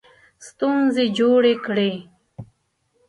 ستونزې جوړې کړې.